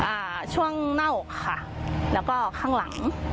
อ่าช่วงหน้าอกค่ะแล้วก็ข้างหลัง